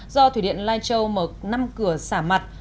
do thủy điện lai châu mở năm cửa xả mặt